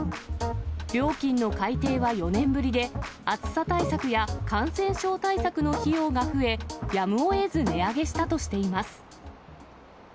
料金の改定は４年ぶりで、暑さ対策や感染症対策の費用が増え、やむをえず値上げしたとしています。